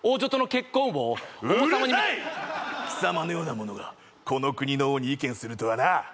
「貴様のような者がこの国の王に意見するとはな」